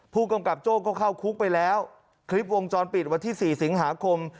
ผู้กำกับโจ้ก็เข้าคุกไปแล้วคลิปวงจรปิดวันที่๔สิงหาคม